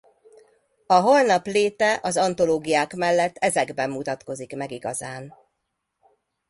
A Holnap léte az antológiák mellett ezekben mutatkozik meg igazán.